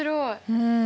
うん。